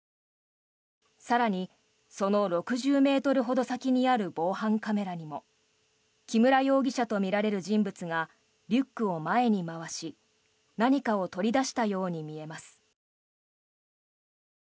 更に、その６０ｍほど先にある防犯カメラにも木村容疑者とみられる人物がリュックを前に回し何かを取り出したように見えます。